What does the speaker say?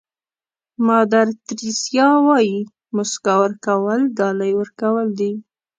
مادر تریسیا وایي موسکا ورکول ډالۍ ورکول دي.